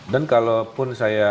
dan kalau pun saya